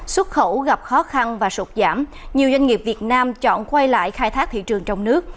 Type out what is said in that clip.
xuất khẩu gặp khó khăn và sụt giảm nhiều doanh nghiệp việt nam chọn quay lại khai thác thị trường trong nước